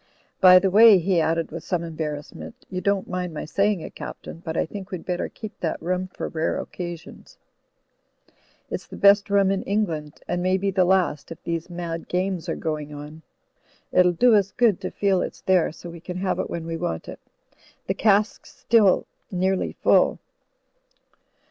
By the way," he added with some embarrassment, "you don't mind my saying it. Captain, but I think we'd better keep that rum for rare occasions. It's the best rum in England, and may be the last, if these mad games are going on. It'll do us good to feel it's there, so we can have it when we want it. The cask's still nearly full."